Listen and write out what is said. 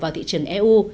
và thị trường eu